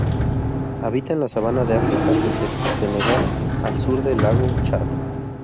Habita en la sabana de África desde Senegal al sur del lago Chad.